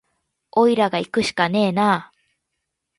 おいらがいくしかねえな